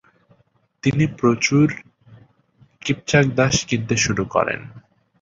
তিনি প্রচুর কিপচাক দাস কিনতে শুরু করেন।